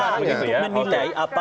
untuk menilai apakah